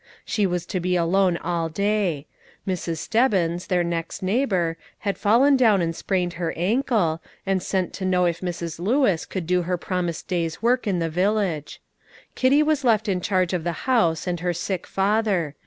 She was to be alone all day. Mrs. Stebbens, their next neighbour, had fallen down and sprained her ankle, and sent to know if Mrs. Lewis could do her promised day's work in the village. Kitty was left in charge of the house and her sick father.